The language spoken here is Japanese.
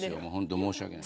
申し訳ない。